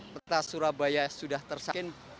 peta surabaya sudah tersakin